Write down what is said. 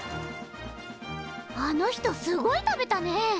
あの人すごい食べたね。